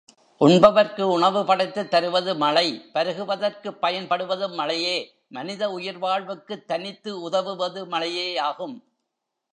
உண்பவர்க்கு உணவு படைத்துத் தருவது மழை பருகுவதற்குப் பயன்படுவதும் மழையே, மனித உயிர் வாழ்வுக்குத் தனித்து உதவுவது மழையேயாகும்.